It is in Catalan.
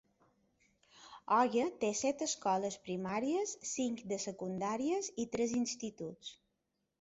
Oga té set escoles primàries, cinc de secundàries i tres instituts.